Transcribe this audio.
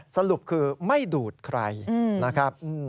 สรุปคือไม่ดูดใครนะครับ